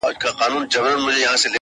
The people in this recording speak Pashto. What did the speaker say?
کرۍ ورځ به ومه ستړی ډکول مي ګودامونه-